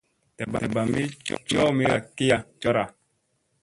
Da ɓami coʼomira kiya cora.